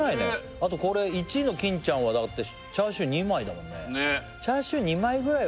あとこれ１位の金ちゃんはだってチャーシュー２枚だもんね